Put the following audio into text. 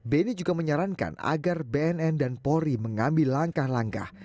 beni juga menyarankan agar bnn dan polri mengambil langkah langkah